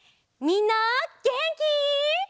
みんなげんき？